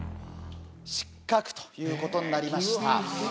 失格ということになりました。